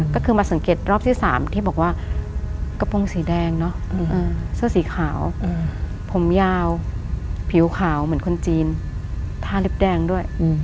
ก็คือมาสังเกตรอบที่๓ที่บอกว่ากระโปรงสีแดงเนอะเสื้อสีขาวผมยาวผิวขาวเหมือนคนจีนท่าเล็บแดงด้วย